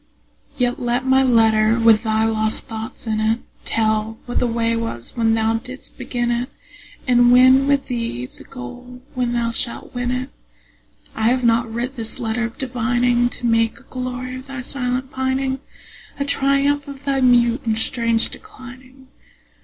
Yet let my letter with thy lost thoughts in it Tell what the way was when thou didst begin it, And win with thee the goal when thou shalt win it. I have not writ this letter of divining To make a glory of thy silent pining, A triumph of thy mute and strange declining.